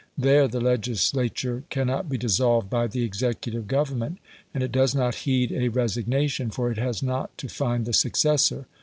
There the legislature cannot be dissolved by the executive Government; and it does not heed a resignation, for it has not to find the successor.